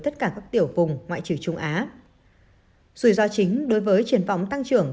tất cả các tiểu vùng ngoại trừ trung á sủi do chính đối với triển vọng tăng trưởng